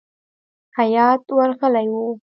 هیات ورغلی وو.